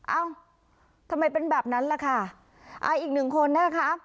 เอ้าทำไมเป็นแบบนั้นล่ะค่ะอ่าอีกหนึ่งคนนะคะ